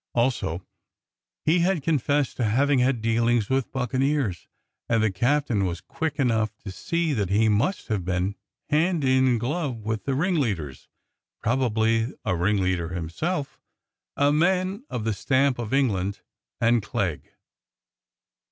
Also he had confessed to having had dealings with buccaneers, and the captain was quick enough to see that he must have been hand in glove with the ringleaders, probably a ringleader himself, a man of the stamp of England and Clegg.